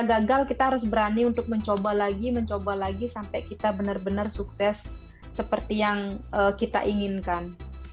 gagal kita harus berani untuk mencoba lagi mencoba lagi sampai kita benar benar sukses seperti yang kita inginkan